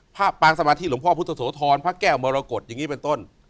ปางสมาธิหลวงพ่อพุทธโสธรพระแก้วมรกฏอย่างนี้เป็นต้น